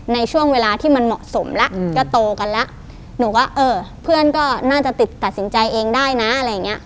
ในช่วงเวลาที่มันเหมาะสมแล้วก็โตกันแล้วหนูก็เออเพื่อนก็น่าจะติดตัดสินใจเองได้นะอะไรอย่างเงี้ย